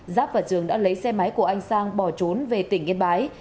giáp và trường đã lấy xe máy của anh sang bỏ trốn về tỉnh yên bái